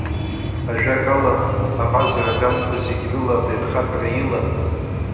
Ажәакала, аҟазара аганқәа зегь рыла абаҩхатәра илан.